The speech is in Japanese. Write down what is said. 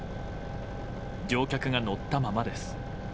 乗客が乗ったままです。